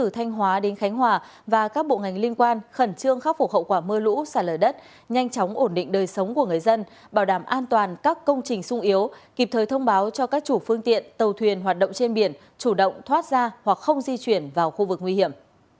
thời thông báo cho các chủ phương tiện tàu thuyền hoạt động trên biển chủ động thoát ra hoặc không di chuyển vào khu vực nguy hiểm